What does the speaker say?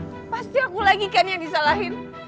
ya pasti aku lagi kan yang disalahin